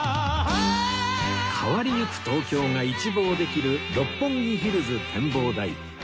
変わりゆく東京が一望できる六本木ヒルズ展望台